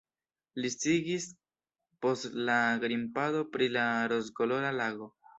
Li sciigis post la grimpado pri la rozkolora lago.